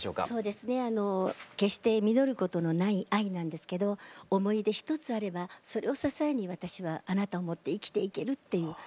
そうですねあの決して実ることのない愛なんですけど思い出ひとつあればそれを支えに私はあなたを思って生きていけるっていう